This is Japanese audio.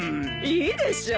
いいでしょ？